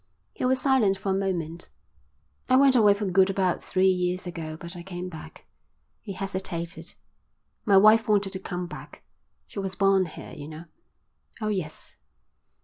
He was silent for a moment. "I went away for good about three years ago, but I came back." He hesitated. "My wife wanted to come back. She was born here, you know." "Oh, yes."